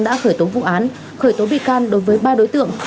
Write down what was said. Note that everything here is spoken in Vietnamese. đã khởi tố vụ án khởi tố bị can đối với ba đối tượng